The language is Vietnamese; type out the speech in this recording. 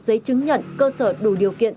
giấy chứng nhận cơ sở đủ điều kiện